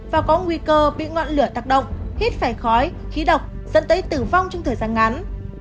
và có nguy cơ bị ngọn lửa tác động hít phải khói khí độc dẫn tới tử vong trong thời gian ngắn